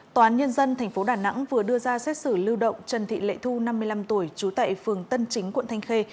tòa án nhân dân tp đà nẵng vừa đưa ra xét xử lưu động trần thị lệ thu năm mươi năm tuổi trú tại phường tân chính quận thanh khê